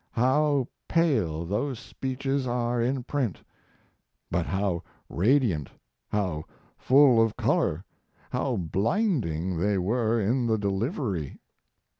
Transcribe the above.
How pale those speeches are in print, but how radiant, how full of color, how blinding they were in the delivery!